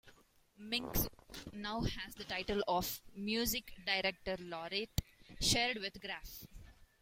Minczuk now has the title of music director laureate, shared with Graf.